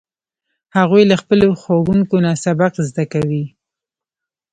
هغوی له خپلو ښوونکو نه سبق زده کوي